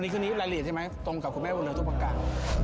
ตรงกับคุณแม่บุญเรือนทุกประกาศ